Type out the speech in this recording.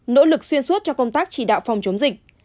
nỗ lực xuyên suốt cho công tác chỉ đạo phòng chống dịch